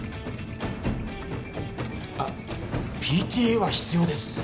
あっＰＴＡは必要です